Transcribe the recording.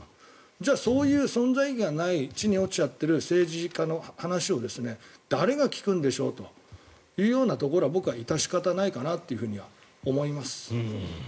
じゃあそういう存在意義がない地に落ちている政治家の話を誰が聞くんでしょうというところは僕は致し方ないかなとは思います。